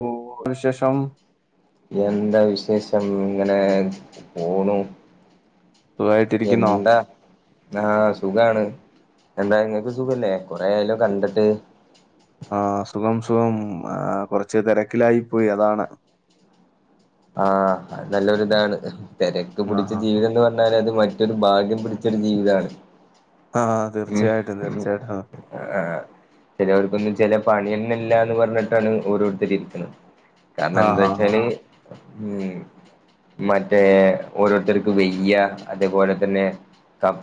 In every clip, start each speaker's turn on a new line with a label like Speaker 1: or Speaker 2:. Speaker 1: [unintelligible] വിശേഷം
Speaker 2: എന്താ വിശേഷം ഇങ്ങനെ പോണു
Speaker 1: സുഖായിട്ടിരിക്കുന്നോ
Speaker 2: എന്താ ആ സുഖാണ് എന്താ നിങ്ങൾക്ക് സുഖല്ലേ കൊറേ ആയാലോ കണ്ടിട്ട്
Speaker 1: ആ സുഖം സുഖം. ആ കുറച്ച് തിരക്കിലായി പോയി അതാണ്.
Speaker 2: ആ ന്നല്ലോരുതാണ് തിരക്ക്
Speaker 1: ആ
Speaker 2: പിടിച്ച
Speaker 1: ആ
Speaker 2: ജീവിതം എന്ന് പറഞ്ഞ അത് മറ്റൊരു ഭാഗ്യം പിടിച്ചൊരു ജീവിതമാണ്.
Speaker 1: ആ ആ തീർച്ചയായിട്ടും തീർച്ചയായിട്ടും. ആ
Speaker 2: ആഹ് ആഹ് ചിലവർക്കൊന്നും ചില പണിയ ഒന്നുമില്ലാന്ന് പറഞ്ഞിട്ടാണ് ഓരോരുത്തര് ഇരിക്കണ്. കാരണം
Speaker 1: ആ
Speaker 2: എന്താ
Speaker 1: ആ
Speaker 2: വെച്ചാല് ഉം. മറ്റേ ഓരോരുത്തർക്ക് വയ്യ. അതേപോലെ തന്നെ,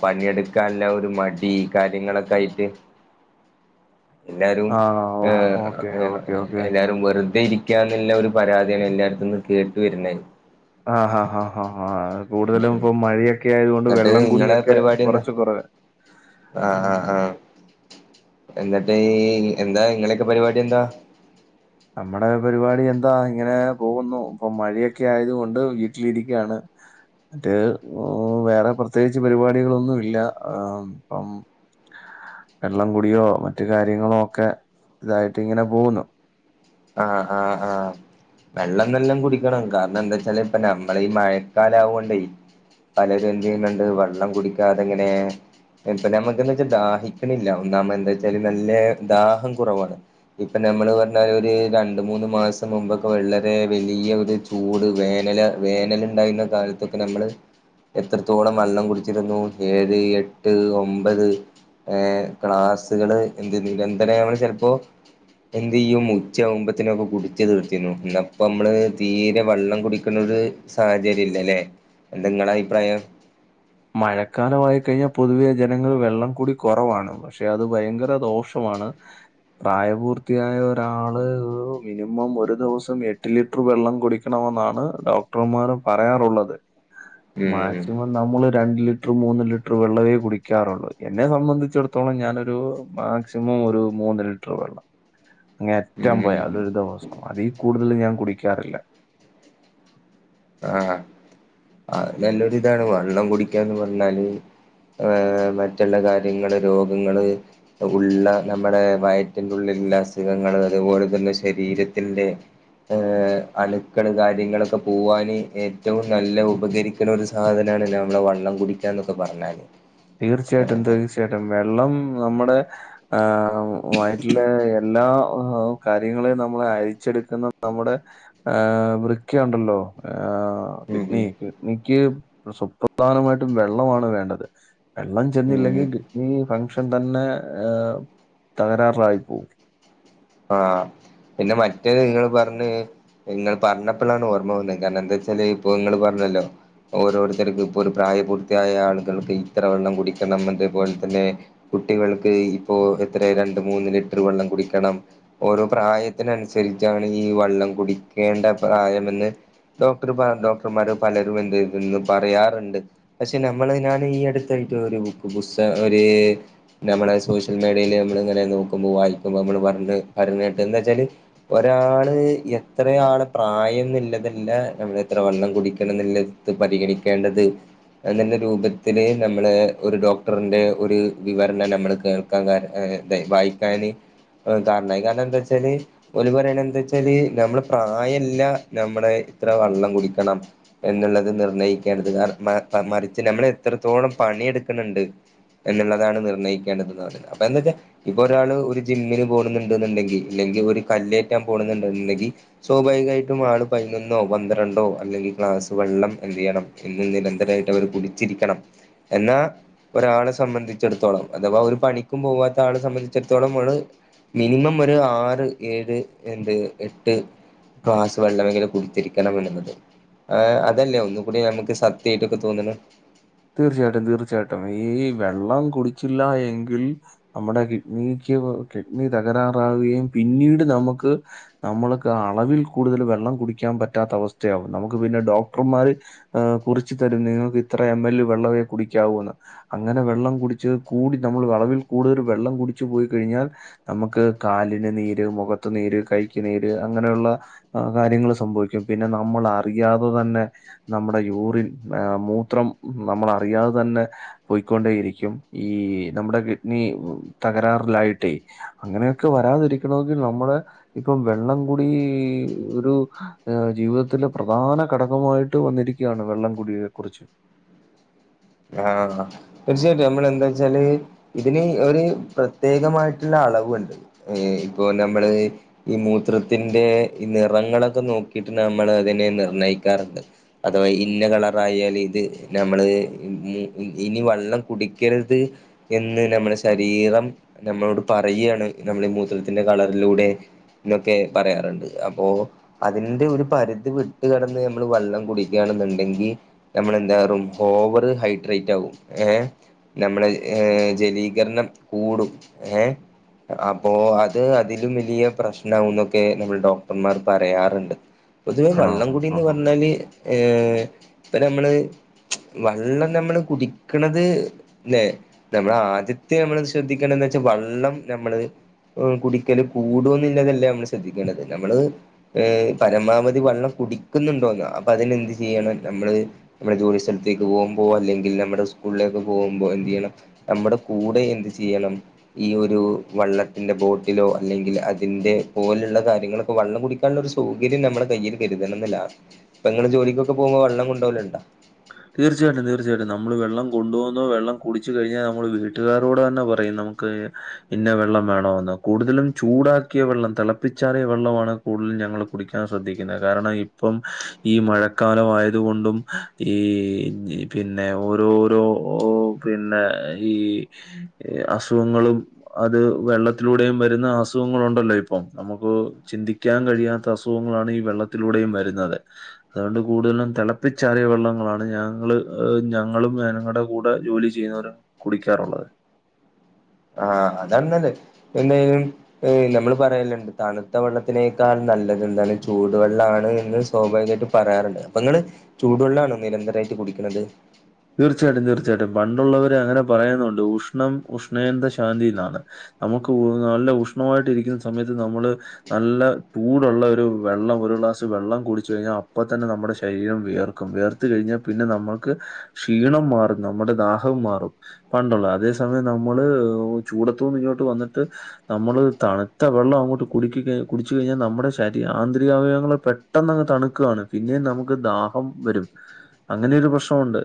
Speaker 2: പണിയെടുക്കാനുള്ള ഒരു മടി, കാര്യങ്ങളൊക്കെ ആയിട്ട്.
Speaker 1: [inaudible]
Speaker 2: എല്ലാവരും
Speaker 1: ആ ആ ഓ
Speaker 2: ഏ
Speaker 1: ഓക്കെ ഓക്കെ
Speaker 2: [unintelligible]
Speaker 1: ഓക്കെ
Speaker 2: എല്ലാവരും വെറുതെ ഇരി ക്കാനിള്ള ഒരു പരാതിയാണ് എല്ലായിടത്തുമെന്ന് കേട്ടു വരുന്നേ.
Speaker 1: ആ ഹാ ഹാ ഹാ ഹ കൂടുതലും ഇപ്പൊ മഴയൊക്കെ ആയതുകൊണ്ട്,
Speaker 2: എന്നിട്ട്
Speaker 1: വെള്ളം
Speaker 2: നിങ്ങളെ
Speaker 1: കുടിയൊക്കെ കുറച്ച് കുറവ്. [inaudible]
Speaker 2: ആഹ
Speaker 1: ഉം.
Speaker 2: ആ ആ. എന്നിട്ട് ഈ എന്താ ങ്ങളെയൊക്കെ പരിപാടി എന്താ?
Speaker 1: നമ്മടെ പരിപാടി എന്താ ഇങ്ങനെ പോകുന്നു. ഇപ്പൊ മഴയൊക്കെ ആയതുകൊണ്ട് വീട്ടിലിരിക്കയാണ്. മറ്റ് വേറെ പ്രത്യേകിച്ച് പരിപാടികളൊന്നുമില്ല. ആ. അം വെള്ളംകുടിയോ, മറ്റു കാര്യങ്ങളോ ഒക്കെ ഇതായിട്ട് ഇങ്ങനെ പോകുന്നു.
Speaker 2: ആഹ ആ ആഹ. വെള്ളം നല്ലോം കുടിക്കണം. കാരണം എന്താ വെച്ചാല് ഇപ്പ നമ്മള് ഈ മഴക്കാലാവൊണ്ടേ, പലരും എന്ത് ചെയ്യുന്നുണ്ട്, വെള്ളം കുടിക്കാതെ ഇങ്ങനെ. ഇപ്പൊ നമ്മുക്ക് എന്താ വെച്ചാൽ ദാഹിക്കണില്ല. ഒന്നാമത് എന്താ വെച്ചാൽ നല്ല ദാഹം കുറവാണ്. ഇപ്പൊ നമ്മള് പറഞ്ഞാ [unintelligible] ഈ രണ്ട് മൂന്ന് മാസം മുമ്പൊക്കെ, വളരെ വലിയ ഒരു ചൂട് വേനല് വേനല് ഉണ്ടായിരുന്ന കാലത്ത്, [unintelligible] നമ്മള് എത്രത്തോളം വെള്ളം കുടിച്ചിരുന്നു. ഏഴ്, എട്ട്, ഒമ്പത്. ഏ ക്ലാസ്സുകള് [unintelligible] ചിലപ്പോ എന്ത് ചെയും. ഉച്ച ആകുമ്പത്തിനൊക്കെ കുടിച്ച് തീർത്തിനു. ന്നിപ്പൊ നമ്മള് തീരെ വെള്ളം കുടിക്കണത് സാഹചര്യം ഇല്ലല്ലേ. എന്താ ഇങ്ങളെ അഭിപ്രായം?
Speaker 1: മഴക്കാലമായി കഴിഞ്ഞാൽ, പൊതുവെ ജനങ്ങൾ വെള്ളം കൂടി കുറവാണ്. പക്ഷെ അത് ഭയങ്കര ദോഷമാണ്. പ്രായപൂർത്തിയായ ഒരാള് മിനിമം ഒരു ദിവസം എട്ട് ലിറ്റർ വെള്ളം കുടിക്ക ണം എന്നാണ് ഡോക്ടമാർ പറയാറുള്ളത്.
Speaker 2: ഉം
Speaker 1: മാക്സിമം നമ്മള് രണ്ട് ലിറ്റർ മൂന്ന് ലിറ്റർ വെള്ളമേ കുടിക്കാറുള്ളൂ. എന്നെ സംബന്ധിച്ചിടത്തോളം ഞാനൊരു മാക്സിമം ഒരു മൂന്ന് ലിറ്റർ വെള്ളം. അങ്ങേ അറ്റം പോയാ,
Speaker 2: ഉം
Speaker 1: അത് ഒരു ദിവസം. അതിൽ കൂടുതൽ ഞാൻ കുടിക്കാറില്ല.
Speaker 2: ആഹ ആ നല്ലൊരു ഇതാണ് വെള്ളം കുടിക്കാന്ന് പറഞ്ഞാല്. ആ മറ്റുള്ള കാര്യങ്ങള് രോഗങ്ങള്, ഉള്ള നമ്മുടെ വയറ്റിന്റെ ഉള്ളിലുള്ള അസുഖങ്ങള്, അതുപോലെ തന്നെ ശരീരത്തിന്റെ, ഏഹ അണുക്കള് കാര്യങ്ങളൊക്കെ പോവാൻ. ഏറ്റവും നല്ല ഉപകരിക്കണ ഒരു സാധനാണ്, നമ്മളെ വള്ളം കുടിക്കാ എന്നൊക്കെ പറഞ്ഞാല്.
Speaker 1: തീർച്ചയായിട്ടും, തീർച്ചയായിട്ടും വെള്ളം നമ്മുടെ ആ വയറ്റിലെ എല്ലാ ഹ കാര്യങ്ങള് നമ്മെ അരിച്ചെടുക്കുന്ന നമ്മുടെ ആ വൃക്കയുണ്ടല്ലോ, ഏഹ്
Speaker 2: ഉം
Speaker 1: കിഡ്നീ
Speaker 2: ഉം
Speaker 1: കിഡ്നിക്ക് സുപ്രധാനമായിട്ടും വെള്ളമാണ് വേണ്ടത്. വെള്ളം
Speaker 2: ഉം
Speaker 1: ചെന്നില്ലെങ്കിൽ കിഡ്‌നി ഫംഗ്ഷൻ തന്നെ തകരാറിലായി പോകും.
Speaker 2: ആ പിന്നെ മറ്റേ നിങ്ങൾ പറഞ്ഞ്, നിങ്ങൾ പറഞ്ഞപ്പോഴാണ് ഓർമ്മ വന്നത്. കാരണം എന്താന്ന് വെച്ചാല് ഇപ്പൊ നിങ്ങൾ പറഞ്ഞല്ലോ. ഓരോരുത്തർക്കു ഇപ്പോൾ ഒരു പ്രായപൂർത്തിയായ ആളുകൾക്ക് ഇത്ര വെള്ളം കുടിക്കണം. അതേപോലെ തന്നെ, കുട്ടികൾക്ക് ഇപ്പോ എത്രെ രണ്ട് മൂന്ന് ലിറ്റർ വെള്ളം കുടിക്കണം. ഓരോ പ്രായത്തിനനുസരിച്ചാണ് ഈ വെള്ളം കുടിക്കേണ്ട പ്രായമെന്ന് ഡോക്ടർ ഡോക്ടർമാര് പലരും എന്ത് ഇതന്ന് പറയാറുണ്ട് പക്ഷെ നമ്മള ഞൻ ഈ അടുത്തായിട്ട് ഒരു പുസ്തകം ഒരു നമ്മളെ സോഷ്യൽ മീഡിയയിൽ നമ്മൾ ഇങ്ങനെ നോക്കുമ്പോൾ വായിക്കുമ്പോ നമ്മള് പറഞ്ഞ കേട്ട് എന്താ വെച്ചാല് ഒരാള് എത്രയാള് പ്രായം എന്നുള്ളതല്ല നമ്മൾ എത്ര വള്ളം കുടിക്കണം എന്നുള്ളത്. പരിഗണിക്കേണ്ടത് അതിന്റെ രൂപത്തില്ൽ നമ്മള് ഒരു ഡോക്ടറിന്റെ ഒരു വിവരണം നമ്മൾ കേ വായിക്കാന് കാരണായി കാരണം എന്താ വച്ചാല് ഒരു പറയണ എന്താ വച്ചാല് നമ്മള് പ്രായല്ല നമ്മുടെ ഇത്ര വെള്ളം കുടിക്കണം. എന്നുള്ളത് നിർണ്ണയിക്കേണ്ടത് കാരണം മറിച്ച് നമ്മൾ എത്രത്തോളം പണിയ എടുക്കണണ്ട് എന്നുള്ളതാണ് നിർണയിക്കേണ്ടെന്ന് പറഞ്ഞുന്നത് അപ്പൊ എന്താ വെച്ചാ ഇപ്പൊ ഒരാള് ഒരു ജിമ്മിന് പോണുന്നുണ്ടുണ്ടെങ്കിൽ ഇല്ലെങ്കിൽ ഒരു കല്റ്റാൻ പോകുന്നുണ്ടണ്ടെങ്കിൽ സ്വാഭാവികമായിട്ടും ആള് പതിനൊന്നോ പന്ത്രണ്ടോ അല്ലെങ്കിൽ ഗക്ലാസ് വെള്ളം എന്ത്തു ചെയ്യണം. എന്നന്ന് നിരന്തരമായിട്ട് അവർ കുടിച്ചിരിക്കണം എന്നാ ഒരാളെ സംബന്ധിച്ചിടത്തോളം അഥവാ ഒരു പണിക്കും പോവാത്ത ആളെ സംബന്ധിച്ചിടത്തോളം നമ്മള് മിനിമം ഒരു ആറ് ഏഴ് എന്ത് എട്ട് ക്വാസ് വെള്ളമ എങ്കിലും കുടടിത്തിരിക്കണം എന്നുള്ളത് ആഹ് അതല്ലേ ഒന്ന കൂടി നമുക്ക് സത്യയിട്ടൊക്കെ തോന്നണത്
Speaker 1: തീർച്ചയായിട്ടും തീർച്ചയായിട്ടും ഈ വെള്ളം കുടിച്ചില്ല എങ്കിൽ നമ്മുടെ കിഡ്നിക്ക് കിഡ്നി തകരാറാവുകയും പിന്നീട് നമുക്ക് നമ്മൾക്ക് അളവിൽ കൂടുതൽ വെള്ളം കുടിക്കാൻ പറ്റാത്ത അവസ്ഥയാകും നമുക്ക് പിന്നെ ഡോക്ടർമാര് കുറച്ച് തരും നിങ്ങൾക്ക് ഇത്ര എം എൽ വെള്ളമേ കുടിക്കാവൂന്ന് അങ്ങനെ വെള്ളം കുടിച്ച് കൂടി നമ്മൾ വിളവിൽ കൂടുതൽ വെള്ളം കുടിച്ചു പോയി കഴിഞ്ഞാൽ നമുക്ക് കാലിന് നീര് മുഖത്തു നീര് കൈക്ക് നീര് അങ്ങനെയുള്ള ആ കാര്യങ്ങൾ സംഭവിക്കും. പിന്നെ നമ്മൾ അറിയാതെ തന്നെ നമ്മുടെ യൂറിൻ ആ മൂത്രം നമ്മള അറിയാതെ തന്നെ പോയിക്കൊണ്ടേയിരിക്കും ഈ നമ്മുടെ കിഡ്നി തകരാറിലായിട്ടേ അങ്ങനെയൊക്കെ വരാതിരിക്കണമെങ്കിൽ നമ്മള് ഇപ്പം വെള്ളം കൂടി ഒരു ജീവിതത്തിലെ പ്രധാന ഘടകമായിട്ട് വന്നിരിക്ക യാണ് വെള്ളം കുടിയെ കുറിച്ച്
Speaker 2: ആഹ് തീർച്ചയായിട്ടും നമ്മൾ എന്താ വെച്ചാല് ഇതിന് ഒരു പ്രത്യേകമായിട്ടുള്ള അളവുണ്ട് ഇപ്പൊ നമ്മള് ഈ മൂത്രത്തിന്റെ നിറങ്ങളൊക്കെ നോക്കിയിട്ട് നമ്മൾ അതിനെ നിർണ്ണയിക്കാറുണ്ട്. അഥവാ ഇന്ന കളറ ആയാൽ ഇത് നമ്മള് ഇനി വെള്ളം കുടിക്കരുത്. എന്ന് നമ്മുടെ ശരീരം നമ്മളോട് പറയുകയാണ് നമ്മുടെ ഈ മൂത്രത്തിന്റെ കളറിലൂടെ ന്നൊക്കെ പറയാറ്ണ്ട് അപ്പൊ അതിന്റെ ഒരു പരിധി വിട്ട് കെടന്ന് ഞമ്മള് വെള്ളം കുടിക്കാണ്ന്ന്ണ്ടെങ്കി ഞ്ഞമ്മള് എന്താവും ഓവറ് ഹൈഡ്രേറ്റ് ആകും ഏഹ്. നമ്മളെ ഏഹ് ജലീകരണം കൂടും ഏഹ് അപ്പോ അത് അതിലും വലിയ പ്രശ്ന ആക എന്നൊക്കെ നമ്മൾ ഡോക്ടർമാർ പറയാറുണ്ട്. പൊതുവേ
Speaker 1: ആണോ?
Speaker 2: വള്ളംകൂടിന്ന്
Speaker 1: ആഹ്.
Speaker 2: പറഞ്ഞാല് ഇപ്പ നമ്മള് വെള്ളം നമ്മള് കുടിക്കണത് ലെ നമ്മള ആദ്യത്തെ നമ്മള് ശ്രദ്ധിക്കേണ്ടന്ന് വെച്ചാൽ വെള്ളം നമ്മള് കുടിക്കല് കൂടന്നില്ലാതല്ലേ നമ്മള് ശ്രദ്ധിക്കേണ്ടത് നമ്മള് ഏഹ് പരമാവധി വെള്ളം കുടിക്കുന്നുണ്ടോന്ന അപ്പൊ അതിനെന്ത് ചെയ്യണം നമ്മള് നമ്മടെ ജോലി സ്ഥത്തേക്ക് പോകുമ്പോ അല്ലെങ്കിൽ നമ്മുടെ സ്കൂളിലേക്ക പോകുമ്പോ എന്ത് ചെയ്യണം നമ്മുടെ കൂടെ എന്ത് ചെയ്യണം. ഈ ഒരു വള്ളത്തിന്റെ ബോട്ടിലോ അല്ലെങ്കിൽ അതിന്റെ പോലുള്ള കാര്യങ്ങളൊക്കെ വെള്ളം കുടിക്ക കുടിക്കാളെളാരു സൗകര്യം നമ്മള് കയ്യില് കെരുതണംന്നില്ല ഇപ്പങ്ങള് ജോലിക്കൊക്കെ പോവുമ്പോ വെള്ളം കൊണ്ടോവല്ണ്ടാ?
Speaker 1: തീർച്ചയായിട്ടും തീർച്ചയായിട്ടും നമ്മള് വെള്ളം കൊണ്ടുവന്നു വെള്ളം കുടിച്ചു കഴിഞ്ഞാൽ നമ്മള് വീട്ടുകാരോട് തന്നെ പറയും നമു ഇന്ന വെള്ളം വേണോന്ന് കൂടുതലും ചൂടാക്കിയ വെള്ളം തിളപ്പിച്ചാറിയ വെള്ളമാണ് കൂടുതലും ഞങ്ങള് കുടിക്കാൻ ശ്രദ്ധിക്കുന്നത് കാരണം ഇപ്പം ഈ മഴക്കാലം ആയതുകൊണ്ടും ഈ പിന്നെ ഓരോ ഓരോ പിന്നെ ഈ ഈ അസുഖങ്ങളും അത് വെള്ളത്തിലൂടെയും വരുന്ന അസുഖങ്ങളുണ്ടല്ലോ ഇപ്പം നമുക്ക് ചിന്തി ക്കാൻ കഴിയാത്ത അസുഖങ്ങളാണ് ഈ വെള്ളത്തിലൂടെയും വരുന്നത് അതുകൊണ്ട് കൂടുതലും തെളപ്പിച്ചാറിയ വെള്ളം [unintelligible] ഞങ്ങള് ഞങ്ങളും ഞങ്ങടെ കൂടെ ജോലി ചെയ്യുന്നവരും കുടിക്കാറുള്ളത്
Speaker 2: ആഹ് അതാന്നത് പിന്നെ ഈ ഏഹ് നമ്മള് പറയലുണ്ട്. തണുത്ത വെള്ളത്തിനേക്കാൾ നല്ലത് എന്താണ് ചൂടുവെള്ളമാണ് എന്ന് സ്വാഭാവികായിട്ട് പറയാറ്ണ്ട്. അപ്പ ഇങ്ങള് ചൂടുവെള്ളാണോ നിരന്തരായിട്ട് കുടിക്ക്ണത്?
Speaker 1: തീർച്ചയായിട്ടും തീർച്ചയായിട്ടും പണ്ടുള്ളവര് അങ്ങനെ പറയുന്നുണ്ട് ഉഷ്ണം ഉഷ്ണേന്ദ ശാന്തിന്നാണ് നമുക്ക് ഉ നല്ല ഉഷ്ണമായിട്ട് ഇരിക്കുന്ന സമയത്ത് നമ്മള് നല്ല ചൂടുള്ള ഒരു വെള്ളം ഒരു ഗ്ലാസ് വെള്ളം കുടിച്ചു കഴിഞ്ഞാൽ അപ്പ തന്നെ നമ്മടെ ശരീരം വിയർ നിക്കും വെയർത്ത് കഴിഞ്ഞാ പിന്നെ നമ്മക്ക് ക്ഷീണം മാറും നമ്മടെ ദാഹവും മാറും പണ്ടൊള്ളത് അതേ സമയം നമ്മള് ചൂടത്തൂന്ന് ഇങ്ങോട്ട് വന്നിട്ട് നമ്മള് തണുത്ത വെള്ളം അങ്ങോട്ട് കുടിക്കി കയി കുടിച്ചു കഴിഞ്ഞാ നമ്മുടെ ശരീ ആന്തരിക അവയവങ്ങള് പെ പെട്ടെന്നങ്ങ് തണുക്കുവാണ് പിന്നെ നമുക്ക് ദാഹം വരും അങ്ങനെയൊരു പ്രശ്നമുണ്ട്.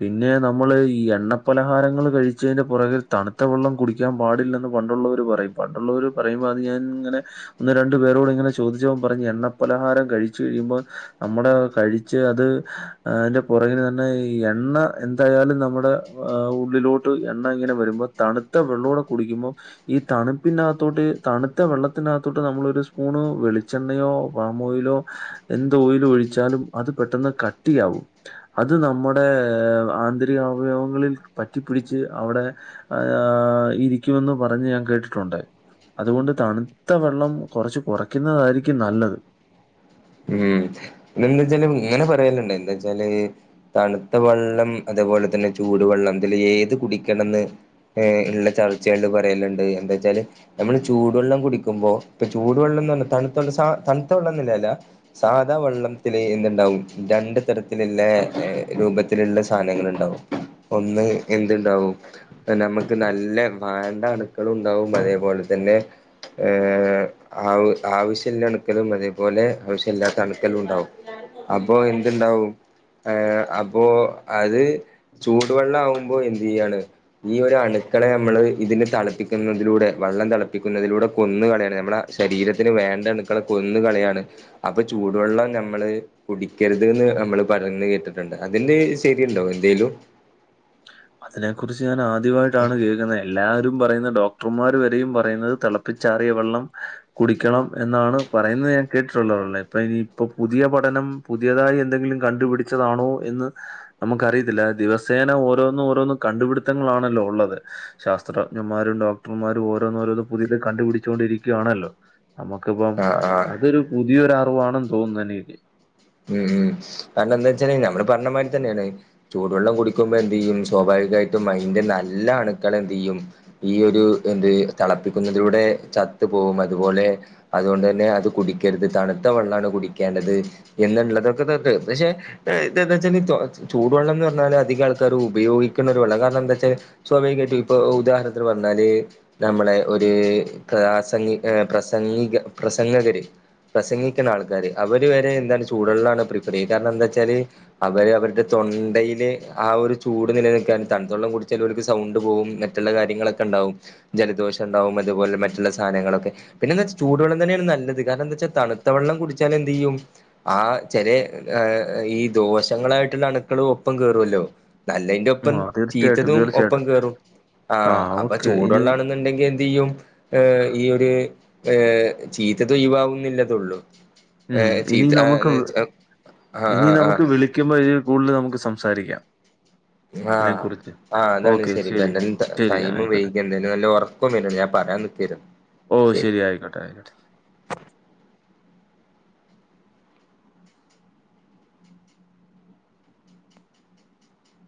Speaker 1: പിന്നെ നമ്മള് ഈ എണ്ണ പലഹാരങ്ങള് കഴിച്ചതിന്റെ പുറകെ തണുത്ത വെള്ളം കുടി കുടിക്കാൻ പാടില്ലെന്ന് പണ്ടൊള്ളവര് പറയും പണ്ടൊള്ളവര് പറയുമ്പോ അത് ഞാനിങ്ങനെ ഒന്ന് രണ്ടു പേരോട് ഇങ്ങനെ ചോദിച്ചപ്പ പറഞ്ഞ് എണ്ണപ്പലഹാരം കഴിച്ചു കഴിയുമ്പോൾ നമ്മള് കഴിച്ച് അത് അതിന്റെ പുറകിന് തന്നെ ഈ ഈ എണ്ണ എന്തായാലും നമ്മുടെ ഉള്ളിലോട്ട് എണ്ണയിങ്ങനെ വരുമ്പോ തണുത്ത വെള്ളോടെ കുടിക്കുമ്പോ ഈ തണുപ്പിനകത്തോട്ട് തണുത്ത വെള്ളത്തിനകത്തോട്ട് നമ്മള് ഒരു സ്പൂണ് വെളിച്ചെണ്ണ വെളിച്ചെണ്ണയോ, പാം ഓയിലോ, എന്ത് ഓയില് ഒഴിച്ചാലും അത് പെട്ടെന്ന് കട്ടിയാവും. അത് നമ്മടെ ആന്തരിക അവയവങ്ങളിൽ പറ്റിപ്പിടിച്ച് അവിടെ അയാ ഇരിക്കുമെന്ന് പറഞ്ഞ് ഞാൻ കേട്ടിട്ടുണ്ട് അതുകൊണ്ട് തണുത്ത വെള്ളം കൊറച്ച് കൊറയ്ക്കുന്നതായിരിക്കും നല്ലത്.
Speaker 2: ഉം പിന്നെന്താ വെച്ചാല് ഇങ്ങനെ പറയല്ണ്ട് എന്താ വെച്ചാല് തണുത്ത വെള്ളം അത്പോലെ തന്നെ ചൂടുവെള്ളം ഇതില് ഏത് കുടിക്കണന്ന് ഏഹ് ഇള്ള ചർച്ച ആയോണ്ട് പറയലിണ്ട് എന്താ വെച്ചാല് നമ്മള് ചൂടുവെള്ളം കുടിക്കുമ്പോ ഇപ്പൊ ചൂടുവെള്ളം എന്ന് പറഞ്ഞ തണുത്ത വെള്ളം സ തണുത്ത വെള്ളന്നില്ല എല്ലാ സാധാ വെള്ളം വെള്ളത്തില് എന്ത്ണ്ടാവും രണ്ട് തരത്തിലിള്ളേ രൂപത്തില്ള്ള സാധനങ്ങള്ണ്ടാവും ഒന്ന് എന്ത്ണ്ടാവും നമ്മക്ക് നല്ല വേണ്ട അണുക്കളും ഉണ്ടാവും അതേപോലെ തന്നെ ഏഹ് ആ ആവശ്യള്ള അണുക്കലും അതേപോലെ ആവശ്യല്ലാത്ത അണുക്കലുണ്ടാവും അപ്പോഎന്ത്ണ്ടാവും ഏ അപ്പോ അത് ചൂടുവെള്ളം ആവുമ്പോ എന്തെയ്യാണ് ഈ ഒരു അണുക്കളെ അമ്മള് ഇതിനെ തളപ്പിക്കുന്നതിലൂടെ വള്ളം തളപ്പിക്കുന്നതിലൂടെ കൊന്നുകളയാണ് നമ്മളെ ശരീരത്തിന് വേണ്ട അണുക്കളെ കൊന്നു കളയാണ് അപ്പൊ ചൂടുവെള്ളം ഞമ്മ നമ്മള് കുടിക്കരുത് ന്ന് നമ്മള് പറഞ്ഞു കേട്ടിട്ടുണ്ട് അതില് ശരിയുണ്ടോ എന്തേലും
Speaker 1: അതിനെ കുറിച്ച് ഞാൻ ആദ്യമായിട്ടാണ് കേൾക്കുന്നെ എല്ലാരും പറയുന്നേ ഡോ [unintelligible] വരെയും പറയുന്നത് തെളപ്പിച്ചാറിയ വെള്ളം കുടിക്കണം എന്നാണ് പറയുന്നത് ഞാൻ കേട്ടിട്ടുള്ളത്. ഇപ്പൊ ഇനിയിപ്പോ പുതിയ പഠനം പുതിയതായി എന്തെങ്കിലും കണ്ടുപിടിച്ചതാണോ എന്ന് നമുക്കറിയത്തില്ല ദിവസേന ഓ ഓരോന്ന് ഓരോന്ന് കണ്ടു പിടുത്തങ്ങളാണല്ലോ ഒള്ളത് ഇ ശാസ്ത്രജ്ഞന്മാരും ഡോക്ടർമാരും ഓരോന്ന് ഓരോന്ന് പുതിയത് കണ്ട് പിടിച്ചോണ്ടിരിക്കുവാണല്ലോ നമുക്കിപ്പം
Speaker 2: ആഹ് ആഹ്
Speaker 1: അതൊരു പുതിയൊരു അറിവാണെന്ന് തോന്നുന്നന്നെയിനപ്പറ്റി
Speaker 2: ഉം ഉം കാരണന്താച്ചാല് നമ്മള് പറഞ്ഞമാതിരി തന്നേണ് ചൂടുവെള്ളം കുടിക്കുമ്പോ എന്തെ യ്യും സ്വാഭാവികായിട്ടും അയിന്റെ നല്ല അണുക്കൾ എന്തെയ്യും ഈ ഒരു എന്ത് തളപ്പിക്കുന്നതിലൂടെ ചത്തു പോവും അതുപോലെ അതുകൊണ്ട് തന്നെ അത് കുടിക്കരുത് തണുത്ത വെളളാണ് കുടിക്കേണ്ടത് എന്നുള്ളതൊക്കെ ത ത് പക്ഷെ ഇതെ എന്തെന്നച്ചാല് തൊ ചൂടുവെള്ളം എന്ന് പറഞ്ഞാല് അധിക ആൾക്കാരും ഉപയോഗിക്കുന്ന ഒരു വള്ള കാരണം എന്താ വെച്ചാൽ സ്വാഭാവികയായിട്ടു ഇപ്പൊ ഉദാഹരണത്തിന് പറഞ്ഞാല് നമ്മളെ ഒര് പ്രാസംഗിക പ്രസംഗിക പ്രസംഗകര് പ്രസംഗിക്ക്ണ ആൾക്കാര് അവര് വരെ എന്താണ് ചൂട് വള്ളാണ് പ്രിഫർ ചെയ്യണ് കാരണം എന്താ വെച്ചാല് അവര് അവരുടെ തൊണ്ടയില് ആ ഒരു ചൂട് നിലനിൽക്കാന് തണ്ത്തള്ളം കുടിച്ചാൽ അവർക്ക് സൗണ്ട് പോകും മറ്റുള്ള കാര്യങ്ങളൊക്കെ ഉണ്ടാവും ജലദോഷം ഉണ്ടാവും അതുപോലെ മറ്റുള്ള സാധനങ്ങളൊക്കെ പിന്നെ എന്താച്ചാ ചൂടു വെള്ളം തന്നെയാണ് നല്ലത് കാരണന്താച്ചാ തണ്ത്തവള്ളം കുടിച്ചാലെന്തെ ഈ ഉ ആ ചെലെ ഏ ഈ ദോഷങ്ങളായിട്ടുള്ള അണുക്കളും ഒപ്പം കേറുവല്ലോ നല്ലെയിന്റെപ്പം
Speaker 1: ആ തീർച്ചയായിട്ടും
Speaker 2: ചീത്തതും ഒപ്പം
Speaker 1: തീർച്ചയായിട്ടും
Speaker 2: കേറും ആ അപ്പൊ
Speaker 1: ഓക്കെ ഇനി
Speaker 2: ചൂടുവെള്ളാണ് ന്ന്ണ്ടെങ്കിൽ എന്തെയ്യും ഏ ഈ ഒരു ഏ ചീത്ത തൊഴിവാവുംന്നില്ലതുള്ളു
Speaker 1: ഉം ഇനി നമുക്ക്
Speaker 2: ആഹ്
Speaker 1: ഇനി
Speaker 2: ആഹ് ആഹ്
Speaker 1: നമുക്ക് വിളിക്കുമ്പോ ഇതിൽ കൂടുതൽ നമുക്ക് സംസാരിക്കാം ഇതിനെ
Speaker 2: ആഹ്
Speaker 1: കുറിച്ച്
Speaker 2: ആഹ് അതാണ് ശരിപ്പന്താലും ട്ട ടൈമും
Speaker 1: ആയിക്കോട്ടെ.
Speaker 2: വൈകി എന്തായാലും നല്ല ഉറക്കവും ഞാൻ പറയാൻ നിക്കാരുന്നു
Speaker 1: ഓ ശെരി ആയിക്കോട്ടെ ആയിക്കോട്ടെ